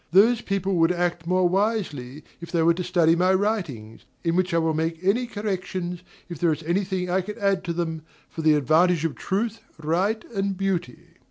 DOMINIE. Those people would act more wisely, if they were to study my writings; in which I will make any corrections, if there is any thing that I can add to them, for the advantage of truth, right, and beauty.